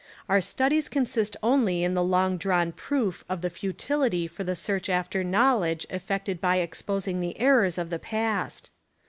Our studies consist only in the long drawn proof of the futility for the search after knowledge effected by exposing the errors of the past.